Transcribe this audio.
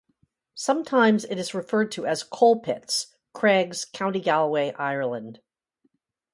Sometimes it is referred to as Coalpits, Creggs, County Galway, Ireland.